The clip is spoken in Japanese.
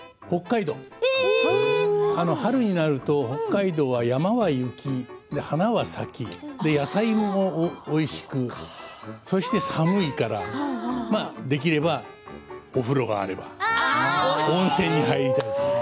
春になると北海道は、山は雪花は咲き、野菜もおいしくそして寒いからできればお風呂があれば温泉に入りたいかな。